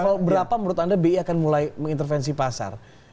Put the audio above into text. kalau berapa menurut anda bi akan mulai mengintervensi pasar